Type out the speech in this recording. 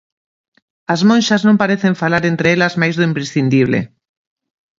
As monxas non parecen falar entre elas máis do imprescindible.